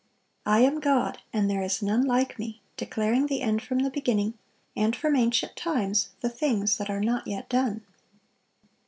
"I am God, and there is none like Me, declaring the end from the beginning, and from ancient times the things that are not yet done."